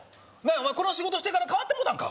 お前この仕事してから変わってもうたんか？